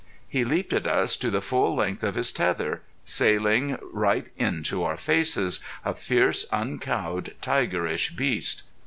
He leaped at us to the full length of his tether, sailing right into our faces, a fierce, uncowed, tigerish beast.